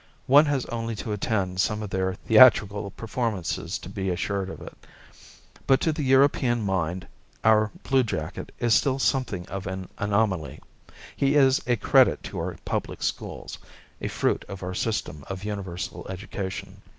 One has only to attend some of their theatrical performances to be assured of it. But to the European mind our bluejacket is still something of an anomaly. He is a credit to our public schools, a fruit of our system of universal education.